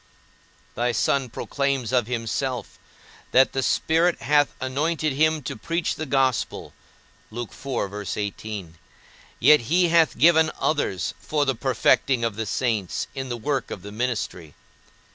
Thy Son proclaims of himself that the Spirit hath anointed him to preach the Gospel, yet he hath given others for the perfecting of the saints in the work of the ministry.